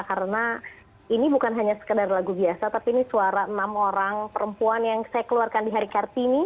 karena ini bukan hanya sekedar lagu biasa tapi ini suara enam orang perempuan yang saya keluarkan di hari kartini